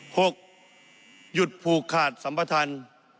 ๖หยุดผูกขาดสัมพทัณฑ์